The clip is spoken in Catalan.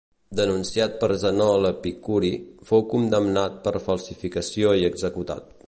Denunciat per Zenó l'epicuri, fou condemnat per falsificació i executat.